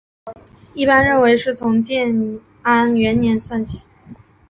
一般认为是从建安元年起算。